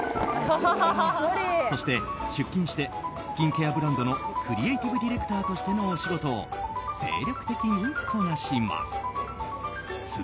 そして、出勤してスキンケアブランドのクリエイティブディレクターとしてのお仕事を精力的にこなします。